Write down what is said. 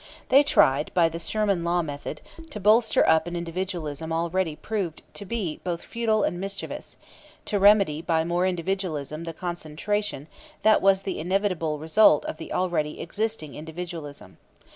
They tried (by the Sherman law method) to bolster up an individualism already proved to be both futile and mischievous; to remedy by more individualism the concentration that was the inevitable result of the already existing individualism.